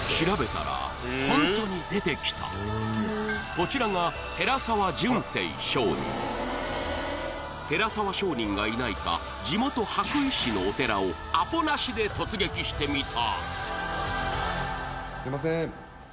こちらが寺沢上人がいないか地元・羽咋市のお寺をアポなしで突撃してみた